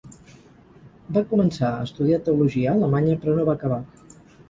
Va començar a estudiar teologia a Alemanya, però no va acabar.